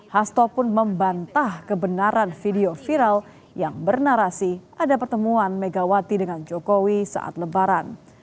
hasto pun membantah kebenaran video viral yang bernarasi ada pertemuan megawati dengan jokowi saat lebaran